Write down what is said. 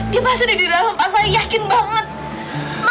dia pas udah di dalam pak saya yakin banget